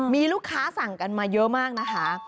มีลูกค้าสั่งกันมาเยอะมากนะคะ